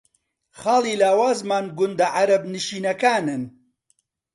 خاڵی لاوازمان گوندە عەرەبنشینەکانن